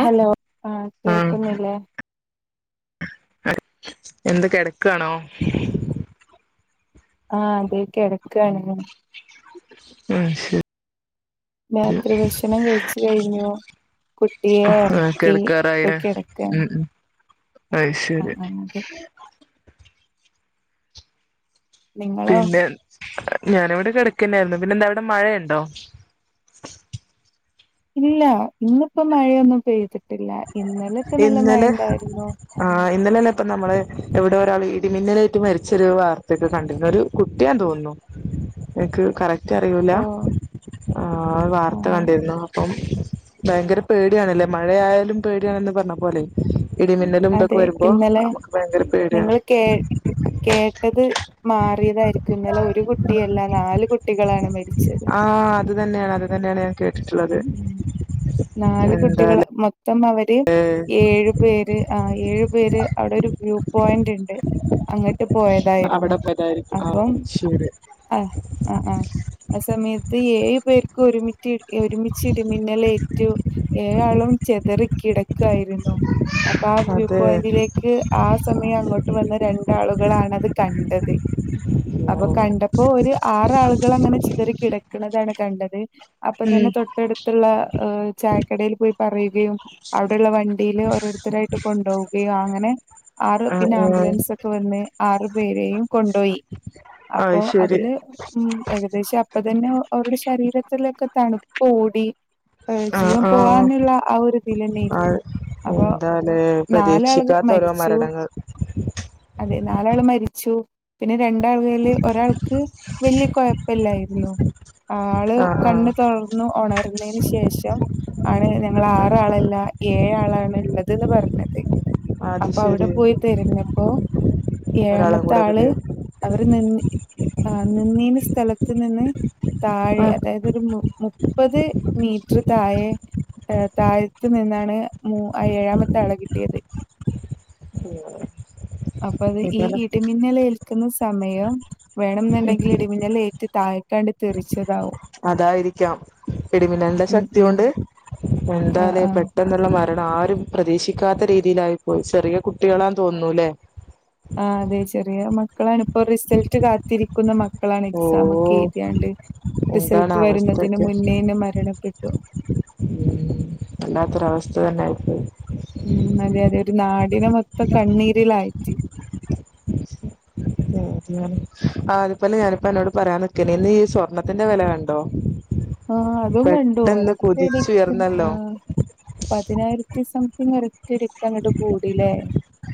Hello ആ ആഹ് കേൾക്കുന്നില്ലേ എന്ത കെടക്കാണോ ആ അതെ കെടക്കാണ് [unintelligible] രാത്രി ഭക്ഷണം കഴിച്ചു കഴിഞ്ഞു കുട്ടിയെ ആഹ് ഒറക്കി ഇപ്പൊ കിടക്കാറായില്ലേ കെടക്കാണ് ഉം ഉം അത് ശരി അതെ നിങ്ങളോ പിന്നെ ഞാനിവിടെ കെടക്കെന്നാരുന്നു പിന്നെന്താ അവടെ മഴയൊണ്ടോ ഇല്ല ഇന്നിപ്പം മഴയൊന്നും പെയ്തിട്ടില്ല ഇന്നലൊക്കെ നല്ല മഴയിണ്ടാരുന്നു ആ ഇന്നലല്ലേ ഇപ്പൊ നമ്മള് എവിടോ ഒരാൾ ഇടിമിന്നലേറ്റ് മരിച്ചൊരു വാർത്തെക്കെ കണ്ടിര്ന്ന് ഒരു കുട്ടിയാന്ന് തോന്നുന്നു എന്ക്ക് കറക് റ്റ് അറിയൂല ഓ ആ വാർത്ത ആഹ് കണ്ടിരുന്നു അപ്പം ഭയങ്കര പേടിയാണല്ലെ മഴയായാലും പേടിയാണെന്ന് പറഞ്ഞ പോലെ ഇടിമിന്നലും തൊക്കെ അതെ വരുമ്പൊ ഇന്നലെ നമക്ക് ഭയങ്കര പേടിയാണ് നിങ്ങള് കേ കേട്ടത് മാറിയതാരിക്കും ഇന്നലെ ഒരു കുട്ടിയല്ല നാല് കുട്ടികളാണ് മരിച്ച ആ അത് തന്നെയാണ് അത് തന്നെയാണ് ഞാൻ കേട്ടിട്ടിള്ളത് ഉം ഉം നാല് കുട്ടികൾ മൊത്തം അവര് ഏഴ് പേര് ആ ഏഴു പേര് അവിടൊരു വ്യൂ പോയിന്റിണ്ട് അങ്ങ്ട്ട് പോയതായിരുന്നു അവിടെ പോയതായിരിക്കും ആഹ് അപ്പം ശരി ആഹ് ആഹ് ആഹ് ആ സമയത്ത് ഏഴ് പേർക്കും ഒരുമിറ്റ് ഒരുമിച്ച് ഇടിമിന്നലേറ്റു ഏഴാളും ചെതറിക്കിടക്കായിരുന്നു അപ്പ ആ വ്യൂ അതെ പോയിന്റിലേക്ക് ആ സമയം അങ്ങോട്ട് വന്ന രണ്ടാളുകളാണത് കണ്ടത് [unintelligible] അപ്പൊ കണ്ടപ്പൊ ഒരു ആറാളുകൾ അങ്ങനെ ചിതറി കിടക്കണതാണ് കണ്ടത് അപ്പതന്നെ തൊട്ടടുത്തുള്ള ആ ചായക്കടയിൽ പോയി പറയുകയും അവിടുള്ള വണ്ടിയില് ഓരോരുത്തരായിട്ട് കൊണ്ടോവുകയും അങ്ങനെ ആറ് ആഹ് പിന്നെ ആഹ് ആംബുലൻസ് ഒക്കെവന്ന് ആറു പേരെയും കൊണ്ടോയി അത് അപ്പൊ ശരി അതില് ഉം ഏകദേശം അപ്പതന്നെ അവരുടെ ശരീരത്തിലൊക്കെ തണുപ്പ് ഓടി ഏ ആഹ് ജീവൻ ആഹ് പോവാന്നുള്ള ആ ഒരു ഇതിലന്നേര്ന്നു അപ്പൊ ല്ലേ നാലാള് പ്രതീക്ഷിക്കാത്തോരോ മരിച്ചു മരണങ്ങൾ അതെ നാലാള് മരിച്ചു പിന്നെ രണ്ടാളേല് ഒരാൾക്ക് വലിയകൊഴ ഇല്ലായിരുന്നു ആള് ആഹ് കണ്ണ് തൊ ർന്നു ഉണർന്നന് ശേഷം ആണ് ഞങ്ങള് ആഹ് ആറാളല്ല ഏഴ് ആളാണ് ള്ളത് തെന്ന് പറഞ്ഞത് അത് അപ്പോ അവിടെ ശരി പോയി തെരഞ്ഞപ്പോ ഒരാളെ ഏഴാമത്തെ കൂടെ ആള് കിട്ടിയോ അവര് നിന്ന് നിന്നീന്ന സ്ഥലത്ത് നിന്ന് താഴെ ആഹ് അതായത് ഒരു മു മുപ്പത് മീറ്റർ താഴെ താഴത്ത് നിന്നാണ് മു ഏഴാമത്തെ ത്തെ ആളെ കിട്ടിയത് അപ്പോ അത് ഈ ഏതായാലും ഇടിമിന്നല് ഏൽക്കുന്ന സമയം വേണംന്നുണ്ടെങ്കിൽ ഇടിമിന്നലേറ്റ് താഴെ അതായിരിക്കാം ഇടിമിന്നലിന്റെ ഉം ശക്തി ഉം. കൊണ്ട് ആഹ് എന്താലേ ആഹ്. പെട്ട ട്ടന്നുള്ള മരണം ആരും പ്രതീക്ഷിക്കാത്ത രീതിയിലായിപ്പോയി ചെറിയ കുട്ടികളാന്ന് തോന്ന്ന്നൂലേ ആ അതെ ചെറിയ മക്കളാണ് ഇപ്പോ റിസൾട്ട് കാത്തിരിക്കുന്ന മക്കളാണ് ഓ എക്സാമൊക്കെ എഴുതിയാണ്ട് എന്താണ് റിസൾട്ട് വരുന്നതിന് അവസ്ഥക്കെ മുന്നേന്നെ മരണപ്പെട്ടു. ഉം വല്ലാത്തൊരവസ്ഥ തന്നെ ആയിപ്പോയി ഉം അതെ അതെ ഒരു നാടിനെ മൊത്തം കണ്ണീരിലാഴ്ത്തി ആഹ് അതുപോലെ ഞാനിപ്പോ നിന്നോട് പറയാൻ നിക്കല് ഇന്ന് ഈ സ്വർണ്ണ ത്തിന്റെ വില കണ്ടോ ആഹ് അതും കണ്ടു പെട്ടെന്ന് ഒരറ്റടിക്കന്ന് കുതിച്ചുയർന്നല്ലോ ആഹ് പതിനായിരത്തി സംതിങ് വരെ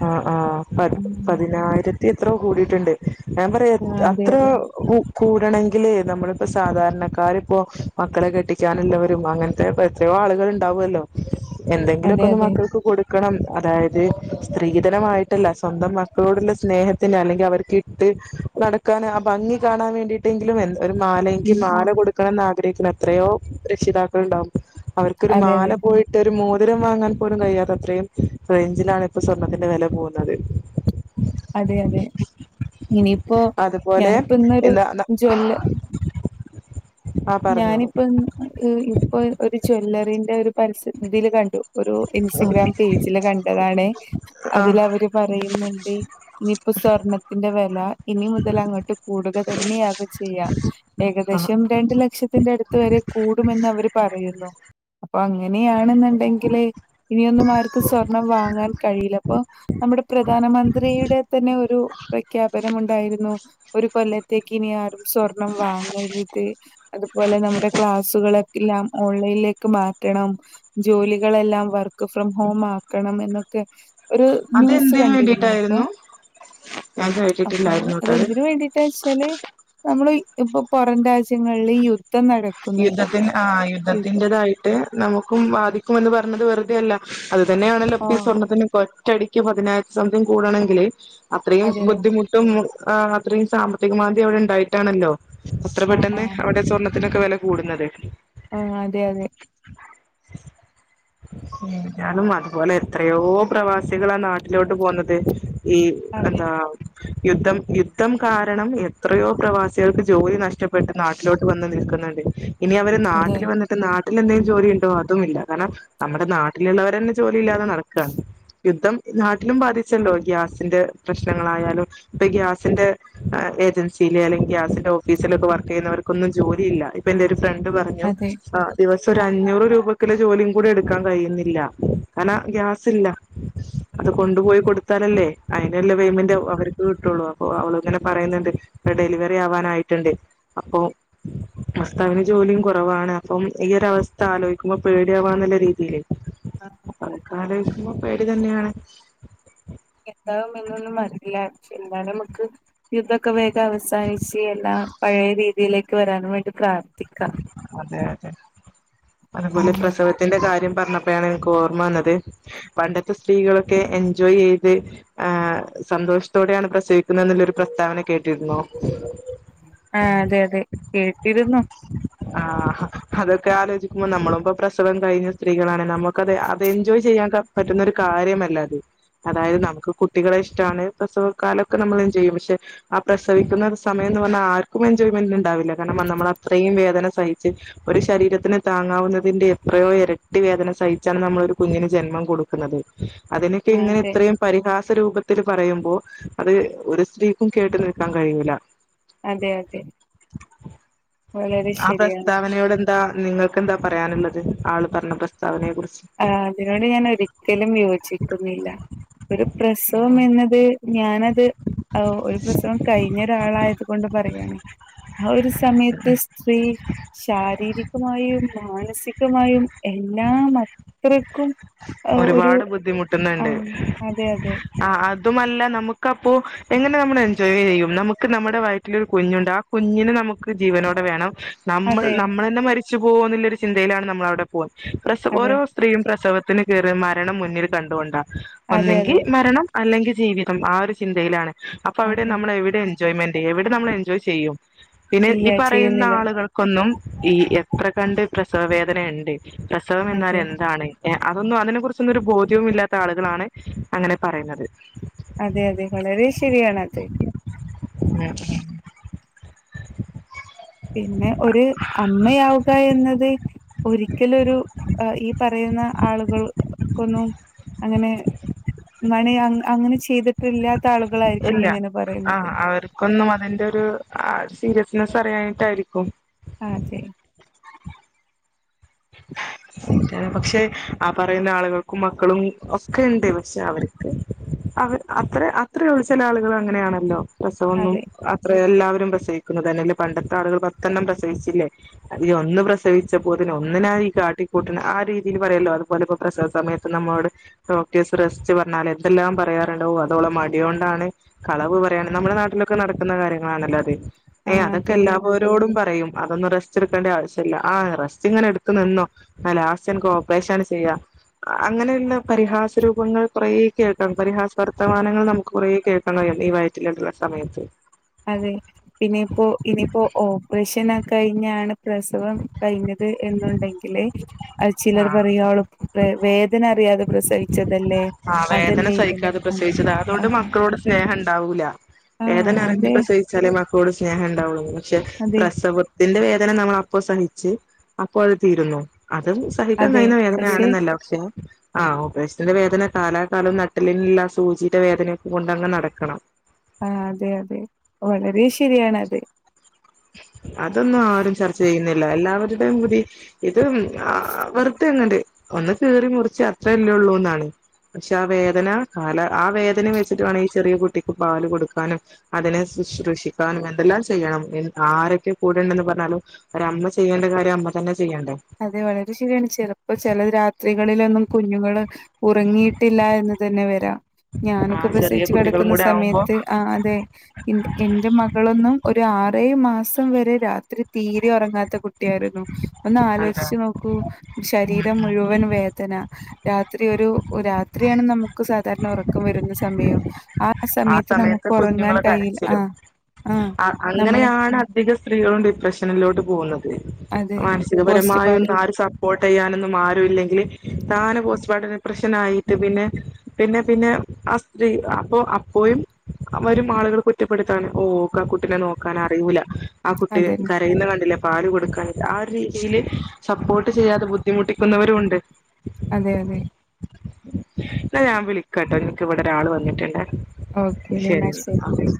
ആഹ് ആഹ് പ ആഹ് പതിനായിരത്തി ത്തി എത്രയോ കൂടിട്ടുണ്ട് ഞാൻ പറയുവാ അതെ അത്ര അതെ. കൂടണെങ്കില് നമ്മളിപ്പോ സാധാരണക്കാര് ഇപ്പോ മക്കളെ കെട്ടിക്കാനുള്ളവരും അങ്ങനെ ഇപ്പോ എത്രയോ ആളുകൾ ഉണ്ടാവുമല്ലോ എന്തെങ്കിലുമൊക്കെ അതെ ഒന്ന് അതെ. മക്കൾക്ക് കൊടു ക്കണം അതായത് സ്ത്രീധന മായിട്ടല്ല സ്വന്തം മക്കളോടുള്ള സ്നേഹത്തില് അല്ലെങ്കിൽ അവർക്ക് ണ്ട് നടക്കാൻ ആഹ് ഭംഗി കാണാൻ വേണ്ടിയിട്ടെങ്കിലും എന്ത ഒരു മാല എങ്കിൽ ഉം ഉം. മാല കൊടുക്കണം എന്ന് ആഗ്രഹിക്കുന്ന എത്രയോ രക്ഷിതാക്കൾ ഉണ്ടാവും അവർക്ക് അവർക്ക് ഒരു അതെ മാല അതെ. പോയിട്ട് ഒരു മോതിരം വാങ്ങാൻ പോലും കഴിയാത്ത അത്രയും റേഞ്ചിലാണ് ഇപ്പോ സ്വർണത്തിന്റെ വില പോകുന്നത് അതെ അതെ ഇനിയിപ്പോ അതുപോലെ ഞാനിപ്പോ ഇന്നൊരു എന്താ ജ്വല ആ പറഞ്ഞോളൂ ഞാനിപ്പോ ഇപ്പോ ഒരു ജ്വല്ലറിന്റെ ഒരു പരസ്യത്തി ഒരു ഇതില് കണ്ടു ഒരു ഇൻസ്റ്റഗ്രാം പേജില് കണ്ടതാണേ ആ അതില് അവര് പറയുന്നുണ്ട് ഇനിയിപ്പോ സ്വർണ്ണത്തിന്റെ വില ഇനി മുതൽ അങ്ങോട്ട് കൂടുക തന്നെയാകും ചെയ്യാ ആ ഏകദേശം രണ്ടു ലക്ഷത്തിന്റെ അടുത്ത് വരെ കൂടുമെന്ന് അവര് പറയുന്നു അപ്പോ അങ്ങനെയാണെന്നുണ്ടെങ്കില് ഇനിയൊന്നും ആർക്കും സ്വർണം വാങ്ങാൻ കഴിയില്ല അപ്പൊ നമ്മുടെ പ്രധാനമന്ത്രിയുടെ തന്നെ ഒരു പ്രഖ്യാപന മുണ്ടായിരുന്നു ഒരു കൊല്ലത്തേക്ക് ഇനി ആരും സ്വർണം വാങ്ങരുത് അതുപോലെ നമ്മുടെ ക്ലാസ്സുകള് ക്കെല്ലാം ഓൺലൈനിലേക്ക് മാറ്റണം ജോലികളെല്ലാം വർക്ക് ഫ്രം ഹോം ആക്കണം എന്നൊക്കെ ഒരു ന്യൂസ് അതെന്തിന് കണ്ടിരുന്നു അപ്പോ വേണ്ടിട്ടായിരുന്നു ഞാൻ അപ്പോ കേട്ടിട്ടില്ലായിരുന്നു കേട്ടോ അത് അതെന്തിന് വേണ്ടി എന്താന്ന് വെച്ചാല് നമ്മള് ഇപ്പൊ പുറം രാജ്യങ്ങളില് ഈ യുദ്ധ യുദ്ധത്തിന് ആഹ് യുദ്ധം. യുദ്ധത്തിന്റെതായി ട്ട് നമുക്കും ബാധിക്കുമെന്ന് പറഞ്ഞത് വെറുതെ അല്ല അത് തന്നെയാണല്ലോ ഇപ്പോ ഈ ആഹ് സ്വർണത്തിന് ഇപ്പോ ഒറ്റടി ക്ക് പതിനായിരം സംതിങ് കൂടണമെങ്കില് അത്രയും അതെ അതെ ബുദ്ധിമു ട്ടും ആഹ് അത്രയും സാമ്പത്തിക മാന്ദ്യം അവിടെ ഉണ്ടായിട്ടാണല്ലോ ഇത്ര ആഹ് പെട്ടെന്ന് ആഹ് അവിടെ സ്വർണത്തിനൊക്കെ വില കൂടുന്നത് ആഹ് അതെ അതെ കാരണം അതുപോലെ എത്രയോ പ്രവാസികളാ നാട്ടിലോട്ട് പോന്നത് ഈ അതെ എന്താ യുദ്ധം യുദ്ധം കാരണം എത്രയോ പ്രവാസികൾക്ക് ജോലി നഷ്ടപ്പെട്ട് നാട്ടിലോട്ട് വന്ന് നിൽക്കുന്നുണ്ട് ഇനി അവര് അതെ നാട്ടിൽ വന്നട്ട നാട്ടിൽ എന്തെങ്കിലും ജോലി ഉണ്ടോ അതും ഇല്ല കാരണം നമ്മുടെ നാട്ടിലുള്ളവരന്നെ ജോലി ഇല്ലാതെ നടക്കുകയാണ് യുദ്ധം നാട്ടിലും ബാധിച്ചല്ലോ ഗ്യാസിന്റെ പ്രശ്നങ്ങളായാലും ഇപ്പൊ ഗ്യാസിന്റെ ഏജൻസിയിലെ അല്ലെങ്കിൽ ഗസിന്റെ ഓഫീസിലൊക്കെ വർക്ക് ചെയ്യുന്നവർക്കൊന്നും ജോലിയില്ല ഇപ്പ എന്റെ ഒരു ഫ്രണ്ട് പറഞ്ഞു അതെ ആഹ് ദിവസം ഒരു അഞ്ഞൂറ് രൂപക്കില ജോലിയും കൂടി എടുക്കാൻ കഴിയുന്നില്ല കാരണം ഗ്യാസില്ല അത് കൊണ്ടുപോയി കൊടുത്താനല്ലേ അയിനല്ല ആ, പേമെന്റ് ആവു അവർ ത് ട്ടുള്ളൂ അപ്പൊ അവളങ്ങനെ പറയുന്നുണ്ട് ഡെലിവറി ആവാനായിട്ടുണ്ട് അപ്പൊ ഭസ്താവിന് ജോലിയും കുറവാണ് അപ്പം ഈ ഒരവസ്ഥ ആലോയ്ക്കുമ്പോ പേടിയാവാന്നുള്ള രീതിയില് അഹ് തൊക്കാലൊയ്ചൊമ്പൊ പേടി തന്നെയാണ് എന്താവും എന്നൊന്നും [unintelligible] പക്ഷെ എന്താണ് നമുക്ക് യുദ്ധൊക്കെ വേഗം അവസാനിച്ച് എല്ലാം പഴയ രീതിയിലേക്ക് വരാനും വേണ്ടി പ്രാർത്ഥിക്കാം അതെ അതെ ഉം അതപലി പ്രസവത്തിന്റെ കാര്യം പറഞ്ഞപ്പോഴാണ് എനിക്ക് ഓർമ്മ വന്നത് പണ്ടത്തെ സ്ത്രീകളൊക്കെ എൻജോയെയ്ത് ആഹ് സന്തോഷത്തോടെയാണ് പ്രസവിക്കുന്നത്ന്നുള്ളൊരു പ്രസ്താവന കേട്ടിരുന്നോ ആഹ് അതെ അതെ കേട്ടിരുന്നു ആഹ് അതൊക്കെ ആലോചിക്കുമ്പോ നമ്മളുമ്പ പ്രസവം കഴിഞ്ഞ സ്ത്രീകളാണ് നമുക്കത് അത് എൻജോയ് ചെയ്യാൻ ക പറ്റുന്നരു കാര്യമല്ല അത് അതായത് നമുക്ക് കുട്ടികളെ ഇഷ്ടാണ് പ്രസവകാലൊക്കെ നമ്മൾന്ത് ചെയ്യും പക്ഷെ ആഹ് പ്രസവിക്കുന്ന സമയംന്ന് പറഞ്ഞാൽ ആർക്കും എൻജോയ്മെന്റ്ണ്ടാവില്ല കാരണം നമ്മള അത്രയും വേദന സഹിച്ച് ഒരു ശരീരത്തിന് താങ്ങാവുന്നതിന്റെ എത്രയോ ഇരട്ടി വേദന സഹിച്ചാണ് നമ്മളൊരു കുഞ്ഞിന് ജന്മം കൊടു ക്ക്ന്നത് അതിനൊക്കെ ഇങ്ങനെ അതെ ഇത്രയും പരിഹാസ രൂപത്തിൽ പറയുമ്പോ അത് ഒരു സ്ത്രീക്കും കേട്ട് നിൽക്കാൻ കഴിയിൂല്ല അതെ അതെ വളരെ ആ ശരിയാണ് പ്രസ്താവനയോട് എന്താ നിങ്ങൾക്ക്ന്താ പറയാനുള്ളത് ആള് പറഞ്ഞ പ്രസ്താവനയെ കുറിച്ച് ആഹ് അതിനോട് ഞാൻ ഒരിക്കലും യോജിക്കുന്നില്ല ഒരു പ്രസവം എന്നത് ഞാനത് ഓഹ് ഒരു പ്രസവം കഴിഞ്ഞ ഒരാളായത് കൊണ്ട് പറയണെ ആഹ് ഒരു സമയത്ത് സ്ത്രീ ശാരീരികമായും മാനസികമായും എല്ലാ മ ഒരുപാട് ആ ബുദ്ധിമുട്ടുന്നുണ്ട് അതെ അതെ. ആഹ് അതുമല്ല നമുക്കപ്പോ എങ്ങനെ നമ്മൾ എൻജോയ് ചെയ്യും നമുക്ക് നമ്മുടെ വയറ്റിലൊരു കുഞ്ഞുണ്ടാ കുഞ്ഞിനെ നമുക്ക് ജീവനോടെ വേണം നമ്മൾ അതെ നമ്മളന്നെ മരിച്ചു പോകന്നുള്ളരു ചിന്തയിലാണ് നമ്മൾ അവിടെ പോവ പ്രസവ അതെ ഓരോ സ്ത്രീയും പ്രസവത്തിന് കേറ മരണം മുന്നിൽ കണ്ടോണ്ടാ അതെ ഒന്നെങ്കിൽ അതെ മരണം അല്ലെങ്കിൽ ജീവിതം ആ ഒരു ചിന്തയിലാണ് അപ്പൊ അവിടെ അതെ. നമ്മൾ എവിടെ എൻജോയ്മെന്റ്യ്യും എവിടെ നമ്മൾ എൻജോയ് ചെയ്യും പിന്നെ ഇല്ല ഈ പറയുന്ന ചെയ്യുന്നില്ല. ആളുകൾ ഒന്നും ഈ എത്ര കണ്ട് പ്രസവ വേദന ഉണ്ട് പ്രസവം എന്നാൽ അതെ എന്താണ് ഏഹ് അതൊന്നും അതിനെ കുറിച്ചൊന്നും ഒരു ബോധ്യവും ഇല്ലാത്ത ആളുകളാണ് അങ്ങനെ പറയുന്നത് അതെ അതെ വളരെ ശരിയാണ അത് ഉം പിന്നെ ഒരു അമ്മയാവുക എന്നത് ഒരിക്കല ഒരു ഈ പറയുന്ന ആളുകൾക്കൊന്നും അങ്ങനെ മണെ അങ് അങ്ങനെ ച്ചി ഇതൊക്കെല്ലാത്ത ആളുകളായിരിക്കും ഇങ്ങനെ പറയുന്നത് ക്കൊന്നും അതിന്റെ രു സീരിയസ്നെസ്സ് അറിയാൻഞ്ഞിട്ടായിരിക്കും ആഹ് ചെ [unintelligible] പക്ഷെ ആ പറയുന്ന ആളുകൾക്കും മക്കളും ഒക്കെ ഉണ്ട് പക്ഷെ അവർക്ക് അഹ് അത്ര അത്രള്ളു ചെല ആളുകൾ അങ്ങനെയാണല്ലോ പ്രസവൊന്നും അതെ അത്ര എല്ലാവരും പ്രസവിക്കുന്നത് അല്ലേ പണ്ടത്തെ ആളുകൾ പത്തെണ്ണം പ്രസവിച്ചില്ലേ അതി ഒന്ന് പ്രസവിച്ചപ്പോ തന്നെ എന്തിനാ ഈ കാട്ടിക്കൂട്ടിണെ ആ രീതിയിൽ പറയല്ലോ അതുപോലെപ്പോ പ്രസവ സമയത്ത് പ്പോ നമ്മളോട് ഡോക്ടേഴസ് റസ്റ്റ് പറഞ്ഞാൽ എന്തെല്ലാം പറയാറുണ്ടാവും അതോള മടിയൊണ്ടാണ് കളവ് പറയാണ് നമ്മുടെ നാട്ടിലൊക്കെ നടക്കുന്ന കാര്യങ്ങളാണല്ലോ അത് ആ ഏയ് അതൊക്കെ അതെ അതെ. എല്ലാവരോടും പറയും അതൊന്നും റസ്റ്റ് എടുക്കേണ്ട ആവശ്യമില്ല ആറസ് ഇങ്ങനെ എടുത്ത് നിന്നോ ന്നാ ലാസ്റ്റ് അൻക്ക് ഓപ്പറേഷൻ ആണ് ചെയ്യാ അങ്ങനെയുള്ള പരിഹാസ രൂപങ്ങൾ കുറ കേട്ടാ പരിഹാസ വർത്തമാനങ്ങൾ നമുക്ക് കുറ കേൾ [unintelligible] ഈ വയറ്റിലുള്ള സമയത്ത് അതെ പിന്നെയിപ്പോ ഇനിയിപ്പോ ഓപ്പറേഷനൊക്കെ കഴിഞ്ഞാണ് പ്രസവം കഴിഞ്ഞത് എന്നുണ്ടെങ്കില് അത് ചിലർ ആഹ് പറയോളും വേ വേദന അറിയാതെ പ്രസവിച്ചതല്ലേ ആഹ വേദന അതല്ലേ ഇതല്ലേ സഹിക്കാതെ ആ പ്രസവിച്ചത് ആ അതുകൊണ്ട് ആ മക്കളോട് സ്നേഹം ഉണ്ടാവൂല്ല ആ, വേദന അറിഞ്ഞി അതെ പ്രസവിച്ചാലേ മക്കളോട് സ്നേഹം ഉണ്ടാവുള്ളൂ പക്ഷെ അതെ പ്രസവത്തിന്റെ വേദന നമ്മള അപ്പൊ സഹിച്ച് അപ്പൊ അത് തീരുന്നു അതും സഹിക്കാൻ അതെ കഴിയുന്ന പക്ഷെ വേദനയാണെന്നല്ല പക്ഷെ ആ ഓപ്പറേഷന്റെ വേദന കാലാകാലം നട്ടിലിനുള്ള സൂചിയുടെ വേദനയൊക്കെ കൊണ്ട്ങ്ങ് നടക്കണം ആഹ അതെ അതെ വളരെ ശരിയാണ്ത് അതൊന്നും ആരും ചർച്ച ചെയ്യുന്നില്ല എല്ലാവരുടെയും പൂതി ഇത് വെറുതെ എങ്ങെ ഒന്ന് കീറി മുറിച്ച് അത്ര ഇല്ലേ ഉള്ളൂന്നാണ് പക്ഷെ ആ വേദന കാല ആ വേദന വെച്ചിട്ട വേണം ഈ ചെറിയ കുട്ടിക്ക് പാല് കൊടുക്കാനും അതിനെ ശുശ്രൂഷിക്കാനും എന്തെല്ലാം ചെയ്യണം ആരൊക്കെ കൂടെണ്ടന്ന് പറഞ്ഞാലും ഒര അമ്മ ചെയ്യേണ്ട കാര്യം അമ്മ തന്നെ ചെയ്യണ്ടേ അതെ വളരെ ശരിയാണ് ചെലപ്പോ ചില രാത്രികളിലൊന്നും കുഞ്ഞുങ്ങള് ഉറങ്ങിയിട്ടില്ല എന്ന് തന്നെ വരാം ആ ഞാനൊക്കെ ചെറിയ പ്രസവിച്ചു കുട്ടികളും കിടക്കുന്ന കൂടെ ആവുമ്പോ സമയത്ത് ആ അതെ എൻ എൻറെ മകളൊന്നും ഒരു ആറേഴ് മാസം വരെ രാത്രി തീരെ ഉറങ്ങാത്ത കുട്ടി ട്ട്യായിരുന്നു ഒന്ന് എന്താ ആലോചിച്ച് നോക്കൂ ഉം ശരീരം ഉം മുഴുവൻ വേദന രാത്രി ഒരു രാത്രിയാണ് നമുക്ക് സാധാരണ ഉറക്കം വരുന്ന സമയം ആ സമയത്ത് നമുക്ക് കുഞ്ഞുങ്ങള ഉറങ്ങാൻ കഴിയില്ല. ആ കരച്ചിലും ആ അ നമ്മള് അങ്ങനെയാണ് അധിക സ്ത്രീകളും ഡിപ്രഷനിലോട്ട് പോകുന്നത് അതെ പോസ്റ്റ് മാനസികപരമായൊന്ന് പാർട്ടം ആരും സ പ്പോട്ട് ചെയ്യാനൊന്നും ആരുും ഇല്ലെങ്കില് താനെ പോസ്റ്റ്മോർട്ടം ഡിപ്രഷനായിട്ട് പിന്നെ പിന്നെ പിന്നെ ആ സ്ത്രീ അപ്പൊ പോയും വരും ആളുകൾ കുറ്റപ്പെടുത്താണ് ഓ ഓക്ക കുട്ടിനെ നോക്കാൻ അറിയൂല ആ കുട്ടി അതന്നെ കരയന്ന് കണ്ടില്ലേ പാല് കൊടുക്കാഞ്ഞിട്ട ആ ഒരു രീതിയില് സപ്പോർട്ട് ചെയ്യാതെ ബുദ്ധിമുട്ടിക്കുന്നവരും ഉണ്ട് അതെ അതെ ന്നാ ഞാൻ വിളിക്കാംട്ടോ ഇൻക്ക് ഇവിടെ ഒരാള് വന്നിട്ട് ണ്ട് ശരി എന്ന